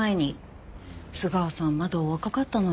須川さんまだお若かったのに。